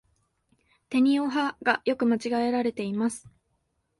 てにをはが、よく間違えられています。